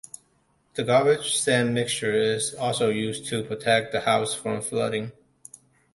The garbage-sand mixture is also used to protect the house from flooding.